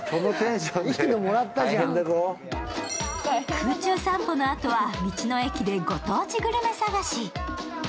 空中散歩のあとは道の駅でご当地グルメ探し。